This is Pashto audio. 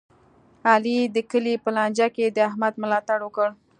علي د کلي په لانجه کې د احمد ملا تړ وکړ.